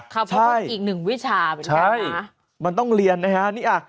ครับเพราะมันอีกหนึ่งวิชาเหมือนกันนะใช่มันต้องเรียนนะฮะนี่อะ